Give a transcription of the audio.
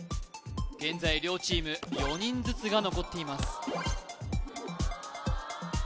現在両チーム４人ずつが残っています